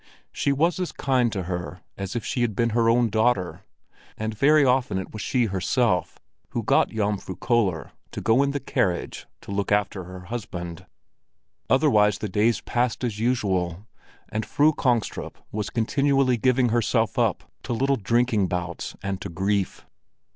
She was as kind to her as if she had been her own daughter; and very often it was she herself who got Jomfru Köller to go in the carriage to look after her husband. Otherwise the days passed as usual, and Fru Kongstrup was continually giving herself up to little drinking bouts and to grief.